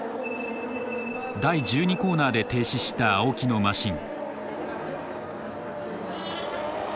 第１２コーナーで停止した青木のマシン。